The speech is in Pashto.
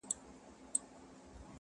په دې ښار كي يې جوړ كړى يو ميدان وو!!